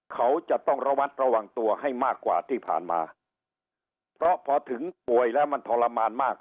เขาจะต้องระวัดระวังตัวให้มากกว่าที่ผ่านมาเพราะพอถึงป่วยแล้วมันทรมานมาก